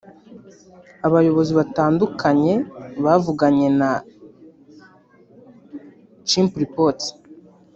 Abayobozi batandukanye bavuganye na Chimpreports